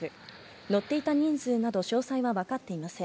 乗っていた人数など詳細はわかっていません。